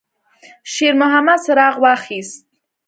شېرمحمد څراغ واخیست.